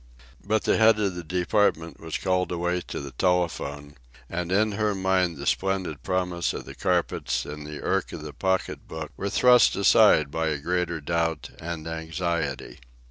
But the head of the department was called away to the telephone, and in her mind the splendid promise of the carpets and the irk of the pocket book were thrust aside by a greater doubt and anxiety.